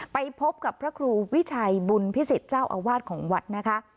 ไปพบกับพระครูวิชัยบุญพิสิทธิ์เจ้าอาวาสของวัดนะคะ